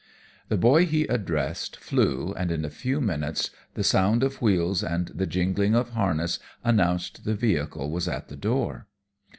The boy he addressed flew, and in a few minutes the sound of wheels and the jingling of harness announced the vehicle was at the door.